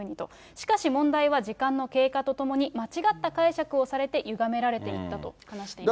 しかし問題は時間の経過とともに、間違った解釈をされて、ゆがめられていったと話しています。